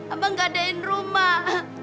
abang gak adain rumah